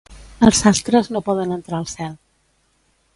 Els sastres no poden entrar al cel.